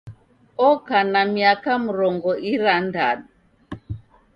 Oka na miaka mrongo irandadu